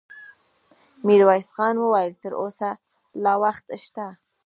ميرويس خان وويل: تر اوسه لا وخت شته.